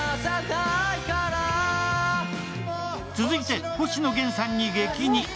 続いて、星野源さんに激似！